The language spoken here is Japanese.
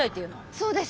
そうです。